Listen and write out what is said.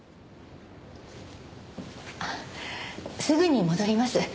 すぐに戻ります。